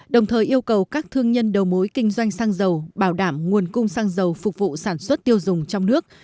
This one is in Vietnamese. đồng thời yêu cầu các thương nhân đầu mối kinh doanh xăng dầu bảo đảm nguồn cung xăng dầu phục vụ sản xuất tiêu dùng trong nước